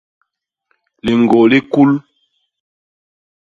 Liñgô li kul.